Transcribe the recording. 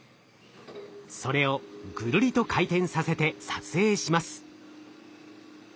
それをぐるりと回転させて撮影します。